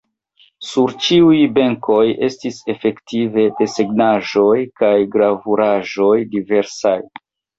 Sur ĉiuj benkoj estis efektive desegnaĵoj kaj gravuraĵoj diversaj.